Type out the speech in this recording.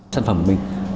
sản phẩm của mình